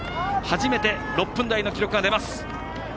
初めて、６分台の記録が出ます。